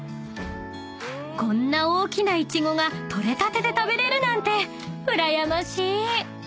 ［こんな大きなイチゴが取れたてで食べれるなんてうらやましい！］